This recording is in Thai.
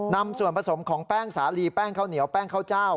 นำส่วนผสมของแป้งสาลีแป้งข้าวเหนียวแป้งข้าวเจ้า